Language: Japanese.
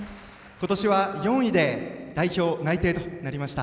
今年は４位で代表内定となりました。